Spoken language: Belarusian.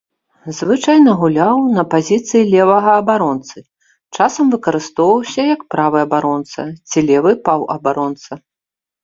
Звычайна гуляў на пазіцыі левага абаронцы, часам выкарыстоўваўся як правы абаронца ці левы паўабаронца.